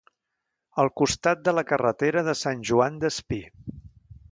Al costat de la carretera de Sant Joan Despí.